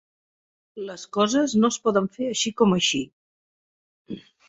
Les coses no es poden fer així com així.